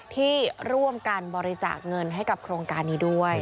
ที่ร่วมกันบริจาคเงินให้กับโครงการนี้ด้วย